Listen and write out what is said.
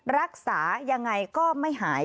รักษายังไงก็ไม่หาย